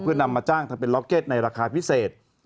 เพื่อนำมาจ้างทำเป็นล็อกเก็ตในราคาพิเศษ